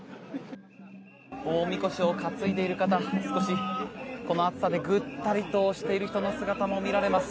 大みこしを担いでいる方少しこの暑さでぐったりとしている人の姿も見られます。